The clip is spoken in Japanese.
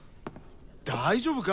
大丈夫か？